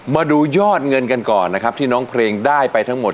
มาดูยอดเงินกันก่อนนะครับที่น้องเพลงได้ไปทั้งหมด